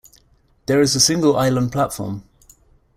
There is a single island platform.